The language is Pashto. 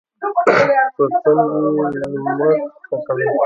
پر تندې یې لمر ختلي